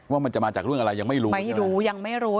ว่ามันจะมาจากเรื่องอะไรยังไม่รู้ไม่รู้ยังไม่รู้